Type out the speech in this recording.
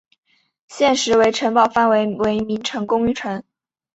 现时为城堡范围为名城公园。